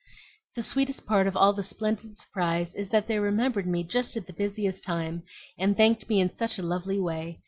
"The sweetest part of all the splendid surprise is that they remembered me just at the busiest time, and thanked me in such a lovely way.